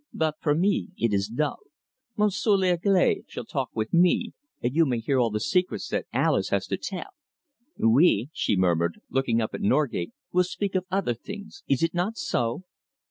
But for me, it is dull. Monsieur l'Anglais shall talk with me, and you may hear all the secrets that Alice has to tell. We," she murmured, looking up at Norgate, "will speak of other things, is it not so?"